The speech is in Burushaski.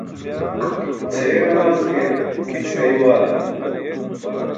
Cʰeey ġanaas ke cʰeey waalimi.